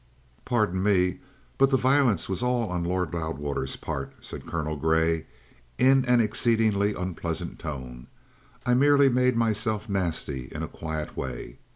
"Pardon me; but the violence was all on Lord Loudwater's part," said Colonel Grey in an exceedingly unpleasant tone. "I merely made myself nasty in a quiet way.